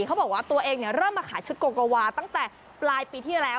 เขาบอกว่าตัวเองเริ่มมาขายชุดโกโกวาตั้งแต่ปลายปีที่แล้ว